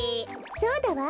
そうだわ！